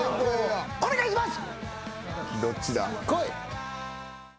お願いします！